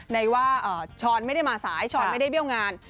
ในว่าช้อนไม่ได้มาสายช้อนไม่ได้เบี้ยวงาน